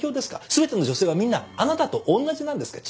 全ての女性はみんなあなたとおんなじなんですか？